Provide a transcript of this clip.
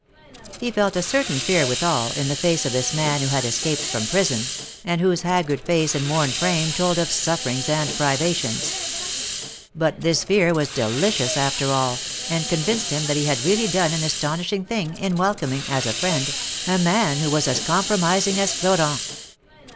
He felt a certain fear withal, in the face of this man who had escaped from prison, and w^hose haggard face and worn frame told of sufferings and privations ; but this fear was delicious after all, and convinced him that he had really done an astonishing thing, in welcoming, as a friend, a man who was as compromising as Florent.